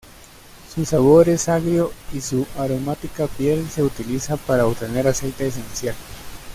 Su sabor es agrio y su aromática piel se utiliza para obtener aceite esencial.